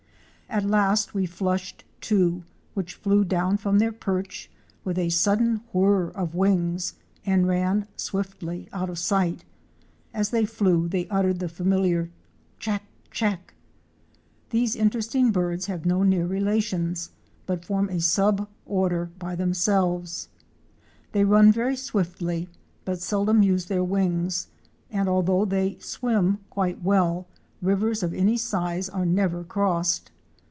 At last we flushed two which flew down from their perch with a sudden whirr of wings and ran swiftly out of sight. As they flew they uttered the familiar Chack! chack! These interesting birds have no near relations, but form a Sub order by themselves. They run very swiftly but sel dom use their wings, and although they swim quite well, rivers of any size are never crossed.